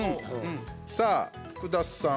さあ、福田さん。